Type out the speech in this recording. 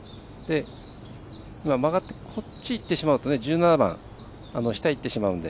今、曲がって、こっちにいってしまうと１７番下にいってしまうので。